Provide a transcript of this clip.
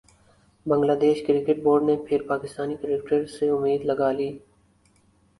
بنگلہ دیش cricket board نے پھر پاکستانی کرکٹرز سے امید لگا لی